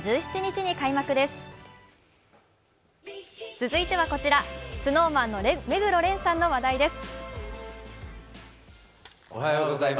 続いてはこちら、ＳｎｏｗＭａｎの目黒蓮さんの話題です。